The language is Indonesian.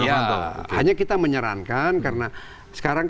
oh iya hanya kita menyerankan karena